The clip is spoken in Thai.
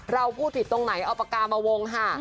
เราพูดผิดตรงไหนเอาปากกามาวงค่ะ